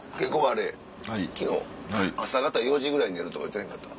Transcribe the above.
あれ昨日「朝方４時ぐらいに寝る」とか言ってへんかった？